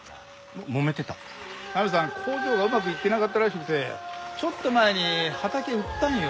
工場がうまくいってなかったらしくてちょっと前に畑売ったんよ。